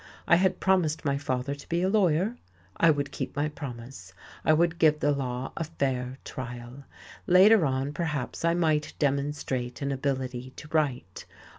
I had promised my father to be a lawyer; I would keep my promise, I would give the law a fair trial; later on, perhaps, I might demonstrate an ability to write.